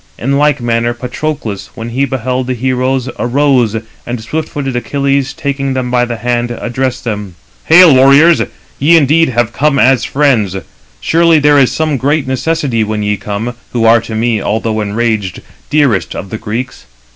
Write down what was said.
In like manner Patroclus, when he beheld the heroes, arose, and swift footed Achilles taking them by the hand, addressed them: "Hail, warriors, ye indeed have come as friends. Surely [there is] some great necessity [when ye come], who are to me, although enraged, dearest of the Greeks." Footnote 298: (return) Or the renown of heroes. So Apollon. i.